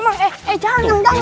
eh jangan dong